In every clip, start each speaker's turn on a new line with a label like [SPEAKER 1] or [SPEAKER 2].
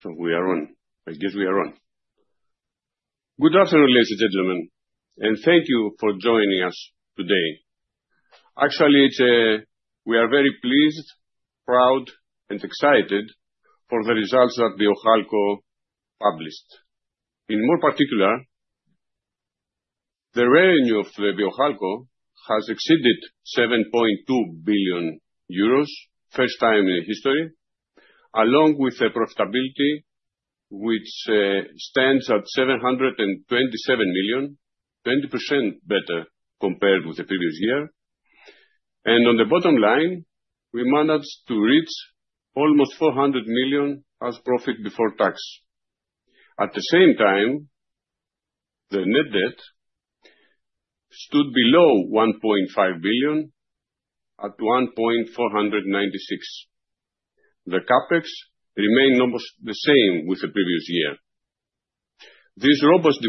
[SPEAKER 1] Good afternoon, ladies and gentlemen, and thank you for joining us today. We are very pleased, proud, and excited for the results that Viohalco published. More particularly, the revenue of Viohalco has exceeded 7.2 billion euros, first time in the history, along with the profitability, which stands at 727 million, 20% better compared with the previous year. On the bottom line, we managed to reach almost 400 million as profit before tax. At the same time, the net debt stood below 1.5 billion at 1.496 billion. The CapEx remained almost the same with the previous year. This robust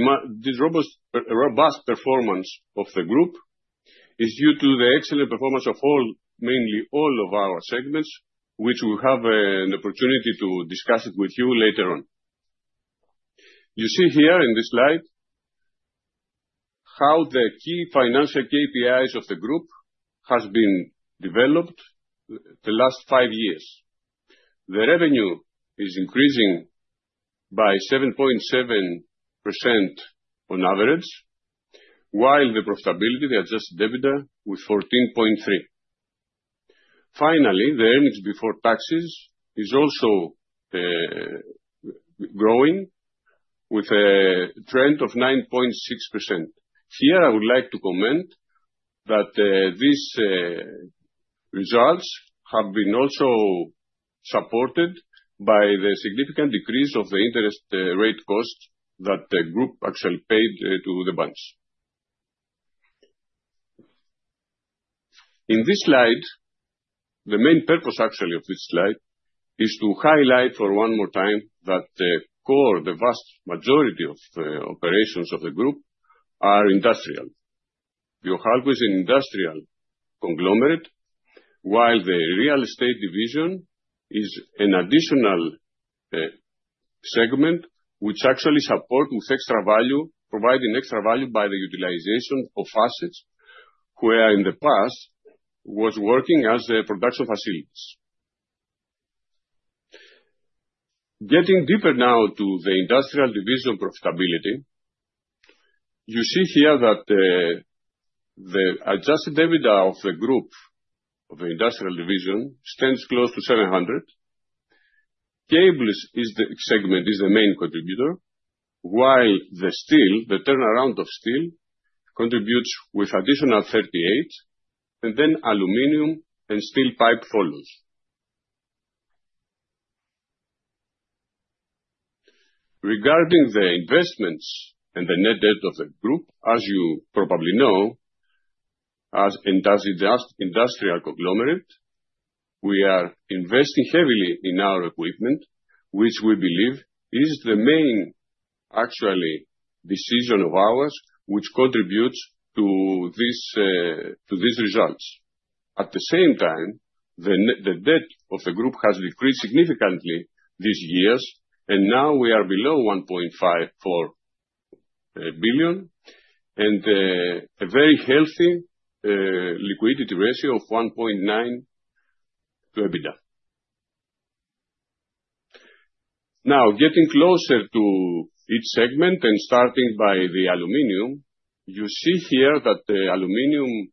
[SPEAKER 1] performance of the group is due to the excellent performance of mainly all of our segments, which we have an opportunity to discuss it with you later on. You see here in this slide how the key financial KPIs of the group has been developed the last five years. The revenue is increasing by 7.7% on average, while the profitability, the adjusted EBITDA, with 14.3%. The earnings before taxes is also growing with a trend of 9.6%. Here, I would like to comment that these results have been also supported by the significant decrease of the interest rate cost that the group actually paid to the banks. In this slide, the main purpose actually of this slide is to highlight for one more time that the core, the vast majority of the operations of the group are industrial. Viohalco is an industrial conglomerate, while the real estate division is an additional segment which actually support with extra value, providing extra value by the utilization of assets, where in the past was working as the production facilities. Getting deeper now to the industrial division profitability. You see here that the adjusted EBITDA of the group of the industrial division stands close to 700 million. Cables segment is the main contributor, while the turnaround of steel contributes with additional 38 million, and then aluminium and steel pipe follows. Regarding the investments and the net debt of the group, as you probably know, as industrial conglomerate, we are investing heavily in our equipment, which we believe is the main actually decision of ours, which contributes to these results. At the same time, the debt of the group has decreased significantly these years, and now we are below 1.54 billion and a very healthy liquidity ratio of 1.9x EBITDA. Getting closer to each segment and starting by the aluminium, you see here that the aluminium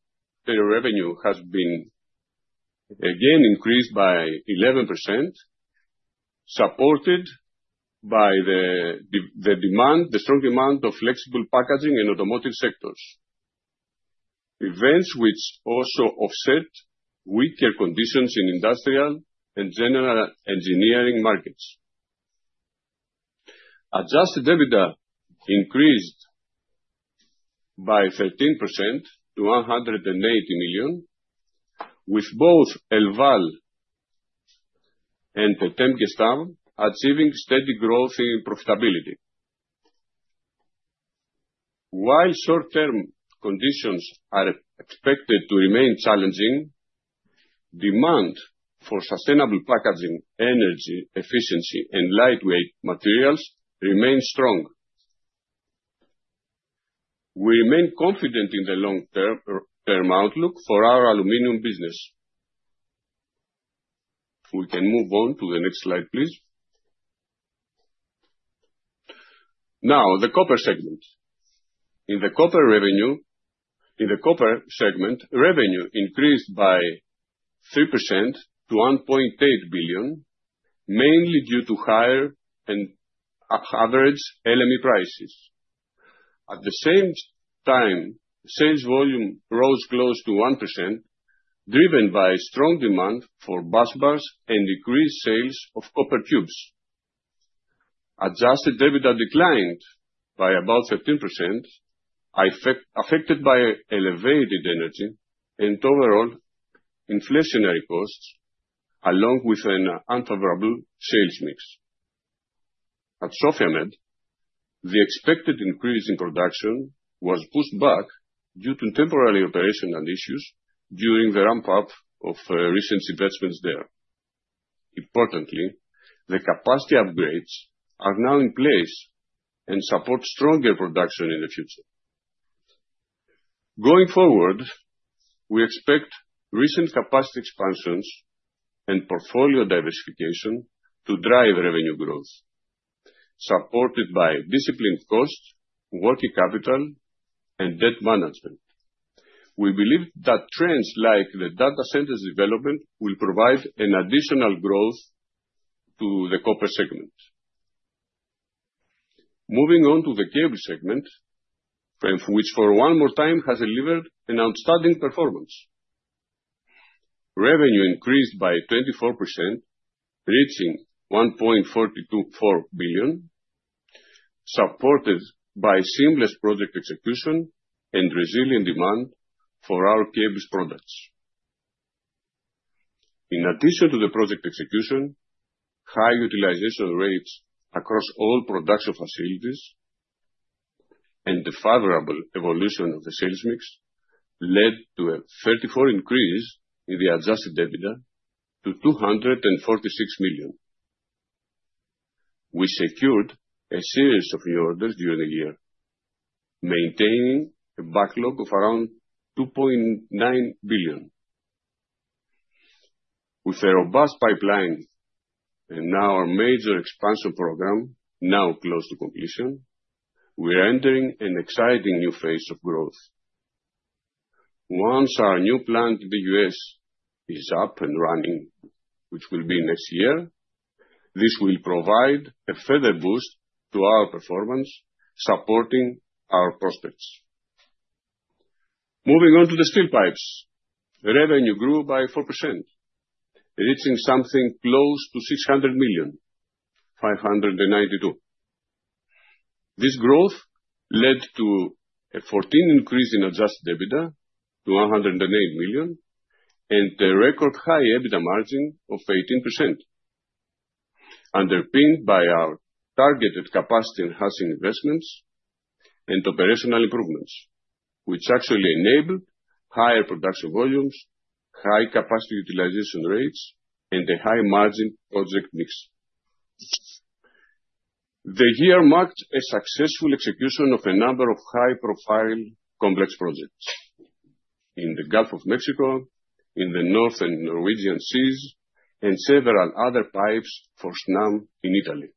[SPEAKER 1] revenue has been again increased by 11%, supported by the strong demand of flexible packaging in automotive sectors, events which also offset weaker conditions in industrial and general engineering markets. Adjusted EBITDA increased by 13% to 180 million, with both Elval and Potenza achieving steady growth in profitability. While short-term conditions are expected to remain challenging, demand for sustainable packaging, energy efficiency, and lightweight materials remain strong. We remain confident in the long-term outlook for our aluminium business. We can move on to the next slide, please. The copper segment. In the copper segment, revenue increased by 3% to 1.8 billion, mainly due to higher and average LME prices. At the same time, sales volume rose close to 1%, driven by strong demand for busbars and decreased sales of copper tubes. Adjusted EBITDA declined by about 13%, affected by elevated energy and overall inflationary costs, along with an unfavorable sales mix. At Sofia Med, the expected increase in production was pushed back due to temporary operational issues during the ramp-up of recent investments there. Importantly, the capacity upgrades are now in place and support stronger production in the future. Going forward, we expect recent capacity expansions and portfolio diversification to drive revenue growth, supported by disciplined cost, working capital, and debt management. We believe that trends like the data centers development will provide an additional growth to the copper segment. Moving on to the cable segment, which for one more time has delivered an outstanding performance. Revenue increased by 24%, reaching 1.424 billion, supported by seamless project execution and resilient demand for our cables products. In addition to the project execution, high utilization rates across all production facilities and the favorable evolution of the sales mix led to a 34% increase in the adjusted EBITDA to 246 million. We secured a series of new orders during the year, maintaining a backlog of around 2.9 billion. With a robust pipeline and now our major expansion program now close to completion, we're entering an exciting new phase of growth. Once our new plant in the U.S. is up and running, which will be next year, this will provide a further boost to our performance, supporting our prospects. Moving on to the steel pipes. Revenue grew by 4%, reaching something close to 600 million, 592 million. This growth led to a 14% increase in adjusted EBITDA to 108 million and a record high EBITDA margin of 18%, underpinned by our targeted capacity enhancing investments and operational improvements, which actually enabled higher production volumes, high capacity utilization rates, and a high margin project mix. The year marked a successful execution of a number of high-profile complex projects in the Gulf of Mexico, in the North and Norwegian Seas, and several other pipes for Snam in Italy.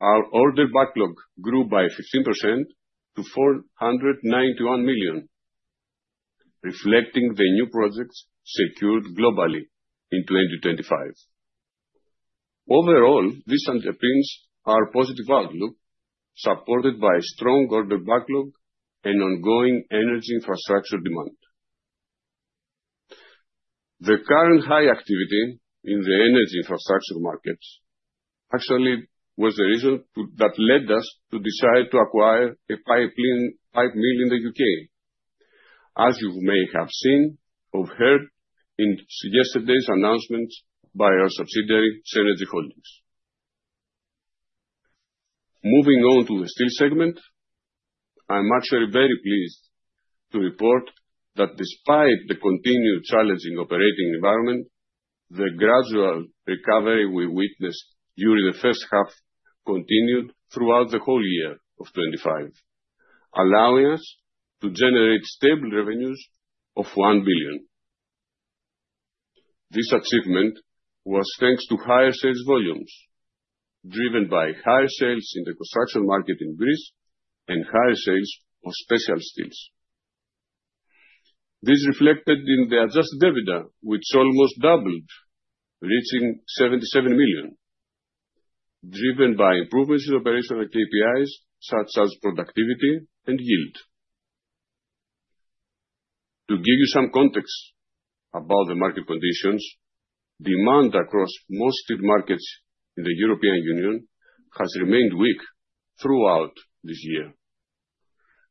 [SPEAKER 1] Our order backlog grew by 15% to 491 million, reflecting the new projects secured globally in 2025. Overall, this underpins our positive outlook, supported by strong order backlog and ongoing energy infrastructure demand. The current high activity in the energy infrastructure markets actually was the reason that led us to decide to acquire a pipe mill in the U.K., as you may have seen or heard in yesterday's announcements by our subsidiary, Cenergy Holdings. Moving on to the steel segment. I'm actually very pleased to report that despite the continued challenging operating environment, the gradual recovery we witnessed during the first half continued throughout the whole year of 2025, allowing us to generate stable revenues of 1 billion. This achievement was thanks to higher sales volumes, driven by higher sales in the construction market in Greece and higher sales of special steels. This reflected in the adjusted EBITDA, which almost doubled, reaching 77 million, driven by improvements in operational KPIs such as productivity and yield. To give you some context about the market conditions, demand across most steel markets in the European Union has remained weak throughout this year.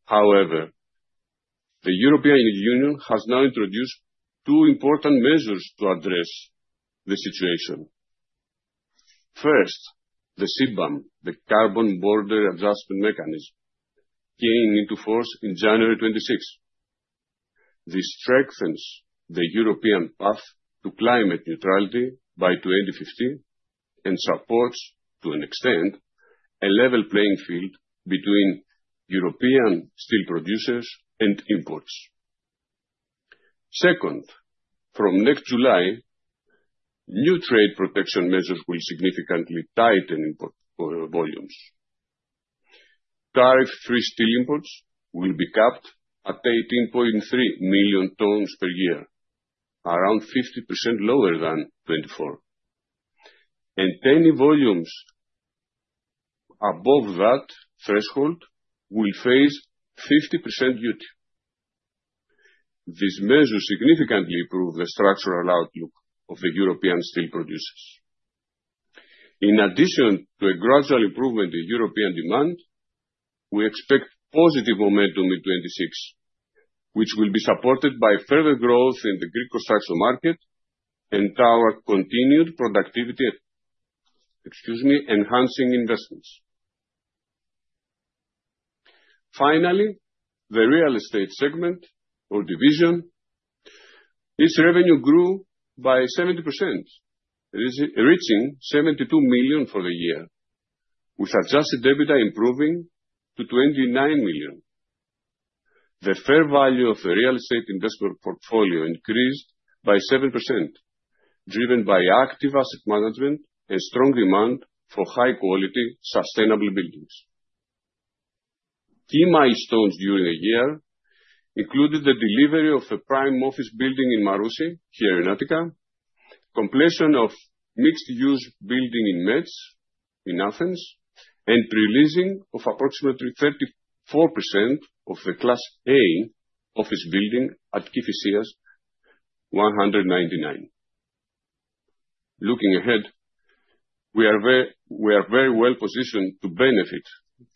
[SPEAKER 1] The European Union has now introduced two important measures to address the situation. First, the CBAM, the Carbon Border Adjustment Mechanism, came into force in January 26. This strengthens the European path to climate neutrality by 2050 and supports, to an extent, a level playing field between European steel producers and imports. Second, from next July, new trade protection measures will significantly tighten import volumes. Tariff-free steel imports will be capped at 18.3 million tons per year, around 50% lower than 2024, and any volumes above that threshold will face 50% duty. These measures significantly improve the structural outlook of the European steel producers. In addition to a gradual improvement in European demand, we expect positive momentum in 2026 which will be supported by further growth in the Greek construction market and our continued productivity, excuse me, enhancing investments. Finally, the real estate segment or division. Its revenue grew by 70%, reaching 72 million for the year, with adjusted EBITDA improving to 29 million. The fair value of the real estate investment portfolio increased by 7%, driven by active asset management and strong demand for high-quality, sustainable buildings. Key milestones during the year included the delivery of the prime office building in Marousi, here in Attica, completion of mixed-use building in Mets, in Athens, and pre-leasing of approximately 34% of the Class A office building at Kifissias 199. Looking ahead, we are very well-positioned to benefit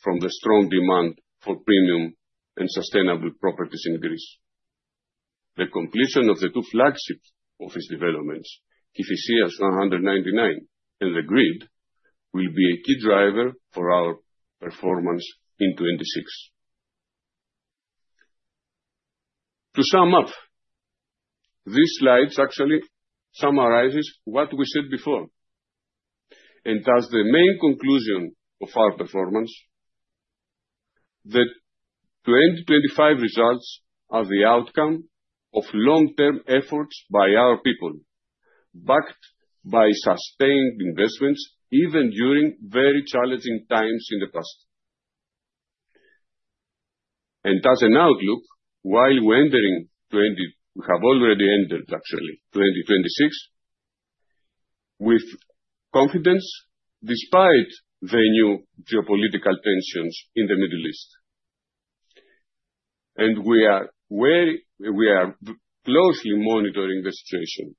[SPEAKER 1] from the strong demand for premium and sustainable properties in Greece. The completion of the two flagship office developments, Kifissias 199 and The Grid, will be a key driver for our performance in 2026. To sum up, this slide actually summarizes what we said before and as the main conclusion of our performance, that 2025 results are the outcome of long-term efforts by our people, backed by sustained investments, even during very challenging times in the past. As an outlook, while we have already entered, actually, 2026 with confidence, despite the new geopolitical tensions in the Middle East. We are closely monitoring the situation.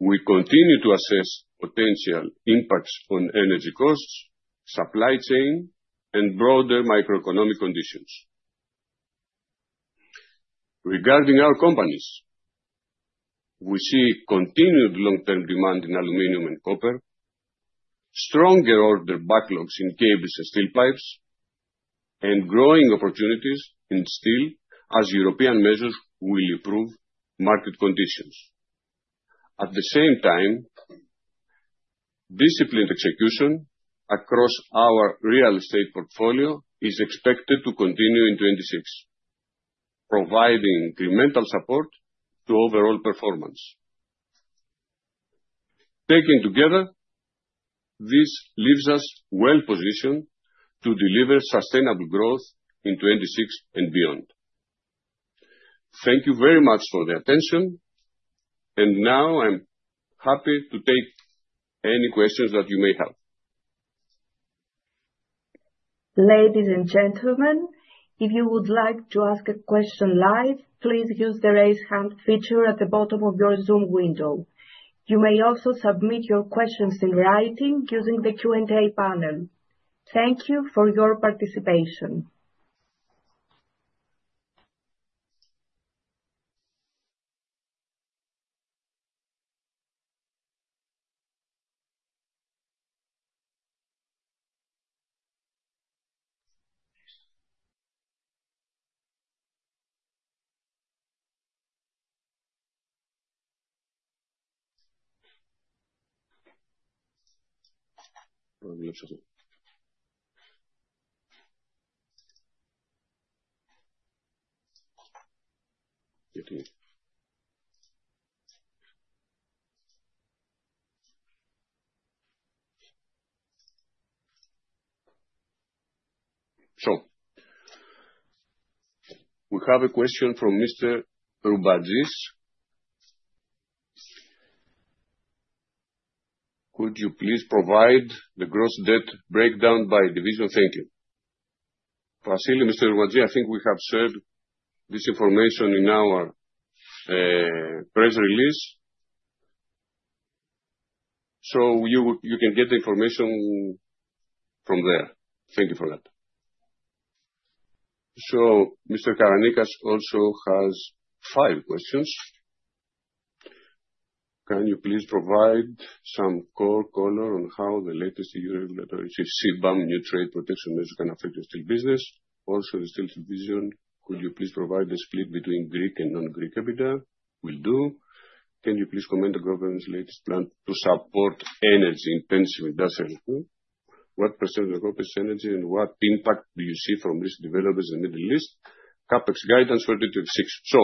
[SPEAKER 1] We continue to assess potential impacts on energy costs, supply chain, and broader macroeconomic conditions. Regarding our companies, we see continued long-term demand in aluminum and copper, stronger order backlogs in cables and steel pipes, and growing opportunities in steel as European measures will improve market conditions. At the same time, disciplined execution across our real estate portfolio is expected to continue in 2026, providing incremental support to overall performance. Taken together, this leaves us well-positioned to deliver sustainable growth in 2026 and beyond. Thank you very much for the attention. Now I'm happy to take any questions that you may have.
[SPEAKER 2] Ladies and gentlemen, if you would like to ask a question live, please use the raise hand feature at the bottom of your Zoom window. You may also submit your questions in writing using the Q&A panel. Thank you for your participation.
[SPEAKER 1] We have a question from Mr. Roubazis. "Could you please provide the gross debt breakdown by division? Thank you." Firstly, Mr. Roubazis, I think we have shared this information in our press release. You can get the information from there. Thank you for that. Mr. Karanikas also has five questions. "Can you please provide some core color on how the latest EU regulatory CBAM new trade protection measure can affect your steel business? Also, the steel division, could you please provide the split between Greek and non-Greek EBITDA?" Will do. "Can you please comment the government's latest plan to support energy-intensive industrial?" Will do. "What percentage of energy and what impact do you see from these developments in the Middle East? CapEx guidance for 2026."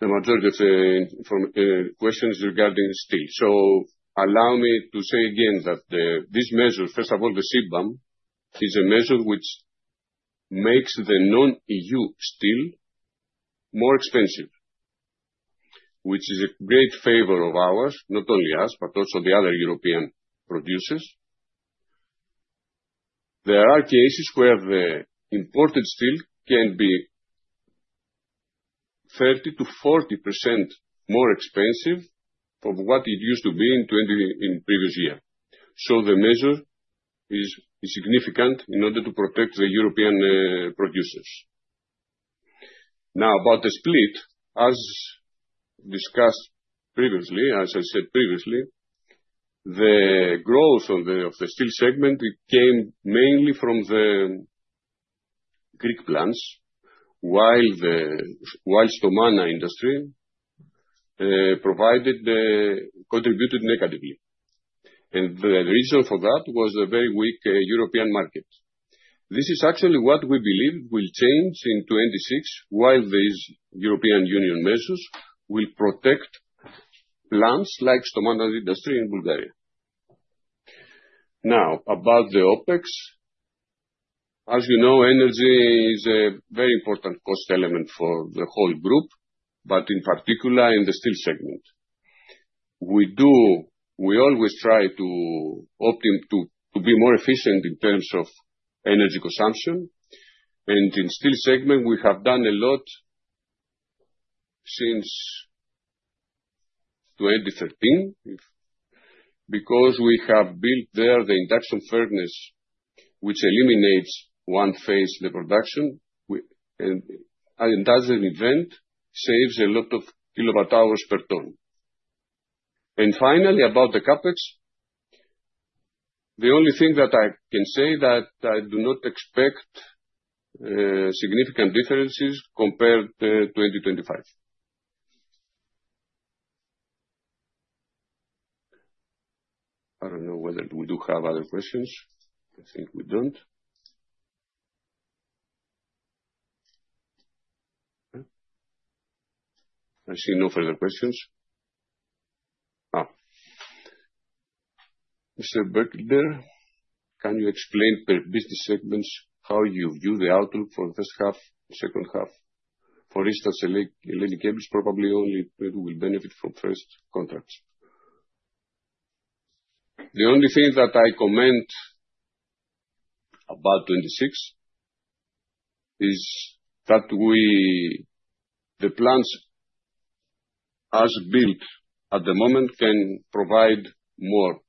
[SPEAKER 1] The majority of the questions regarding steel. Allow me to say again that these measures, first of all, the CBAM, is a measure which makes the non-EU steel more expensive, which is a great favor of ours, not only us, but also the other European producers. There are cases where the imported steel can be 30%-40% more expensive from what it used to be in previous year. The measure is significant in order to protect the European producers. Now, about the split, as discussed previously, as I said previously, the growth of the steel segment, it came mainly from the Greek plants, while the Stomana Industry contributed negatively. The reason for that was the very weak European market. This is actually what we believe will change in 2026, while these European Union measures will protect plants like Stomana Industry in Bulgaria. Now, about the OpEx. As you know, energy is a very important cost element for the whole group, but in particular in the steel segment. In steel segment, we have done a lot since 2013, because we have built there the induction furnace, which eliminates one phase, the production. And as an event, saves a lot of kilowatt hours per ton. Finally, about the CapEx. The only thing that I can say that I do not expect significant differences compared to 2025. I don't know whether we do have other questions. I think we don't. I see no further questions. Mr. Berkholder, can you explain per business segments how you view the outlook for first half, second half? For instance, Hellenic Cables probably only maybe will benefit from first contracts. The only thing that I comment about 2026 is that the plants as built at the moment can provide more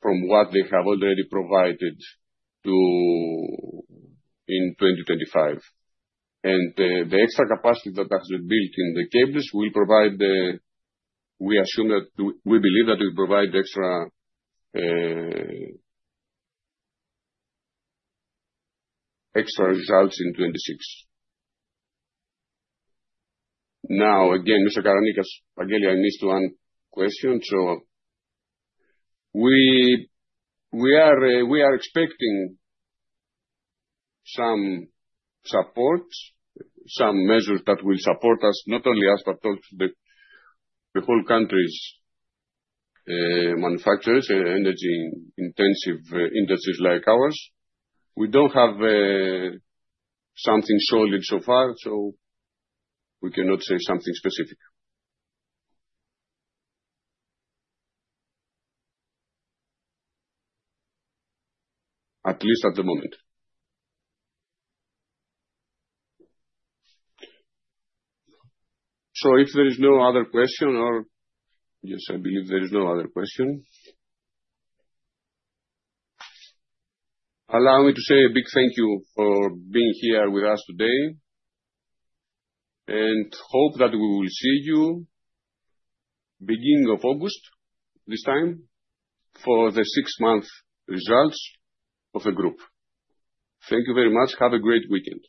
[SPEAKER 1] from what they have already provided in 2025. The extra capacity that has been built in the cables, we believe that will provide extra results in 2026. Again, Mr. Karanikas, again, I missed one question. We are expecting some support, some measures that will support us, not only us, but the whole country's manufacturers, energy intensive industries like ours. We don't have something solid so far, so we cannot say something specific. At least at the moment. If there is no other question or Yes, I believe there is no other question. Allow me to say a big thank you for being here with us today, and hope that we will see you beginning of August this time for the six-month results of the group. Thank you very much. Have a great weekend.